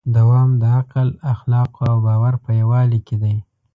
دوام د عقل، اخلاقو او باور په یووالي کې دی.